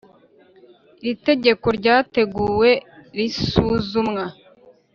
Iri tegeko ryateguwe risuzumwa